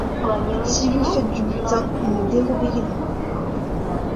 Si vous faites du butin, ne dérobez rien.